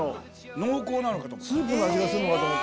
濃厚なのかと思った。